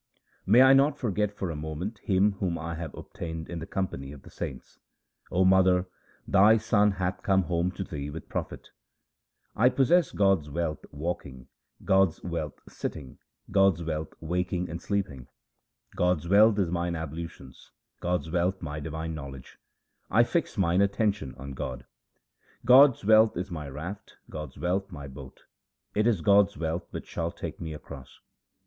May I not forget for a moment Him whom I have obtained in the company of the saints ! 0 mother, thy son hath come home to thee with profit. 1 possess God's wealth walking, God's wealth sitting, God's wealth waking and sleeping. God's wealth is mine ablutions, God's wealth my divine knowledge ; I fix mine attention on God. God's wealth is my raft, God's wealth my boat ; it is God's wealth which shall take me across.